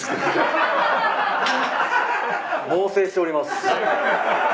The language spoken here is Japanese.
猛省しております。